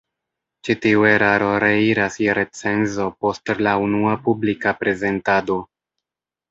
Ĉi tiu eraro reiras je recenzo post la unua publika prezentado.